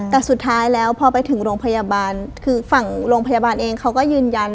แต่สุดท้ายแล้วพอไปถึงโรงพยาบาลคือฝั่งโรงพยาบาลเองเขาก็ยืนยัน